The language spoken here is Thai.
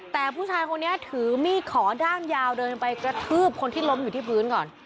แต่ผู้ชายคนนี้ถือมีดขอด้ามยาวเดินไปกระทืบคนที่ล้มอยู่ที่พื้นก่อน